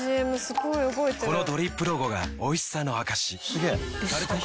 このドリップロゴがおいしさの証し。